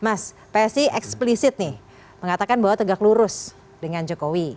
mas psi eksplisit nih mengatakan bahwa tegak lurus dengan jokowi